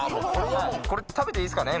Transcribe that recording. これ食べていいっすかね？